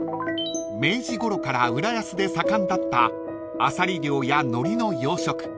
［明治ごろから浦安で盛んだったアサリ漁やノリの養殖］